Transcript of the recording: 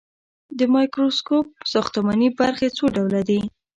د مایکروسکوپ ساختماني برخې څو ډوله دي.